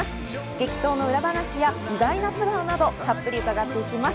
激闘の裏話や意外な素顔などたっぷり伺っていきます。